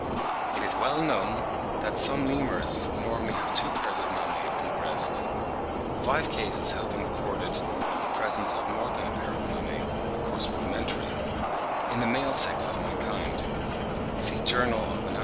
It is well known that some Lemurs normally have two pairs of mammae on the breast. Five cases have been recorded of the presence of more than a pair of mammae (of course rudimentary) in the male sex of mankind; see 'Journal of Anat.